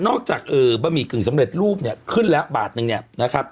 จากบะหมี่กึ่งสำเร็จรูปเนี่ยขึ้นแล้วบาทนึงเนี่ยนะครับ